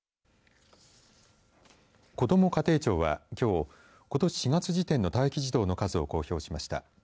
こども家庭庁は、きょうことし４月時点の待機児童の数を公表しました。